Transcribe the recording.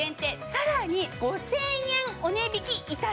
さらに５０００円お値引き致します！